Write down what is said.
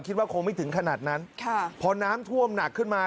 คิดว่าคงไม่ถึงขนาดนั้นค่ะพอน้ำท่วมหนักขึ้นมา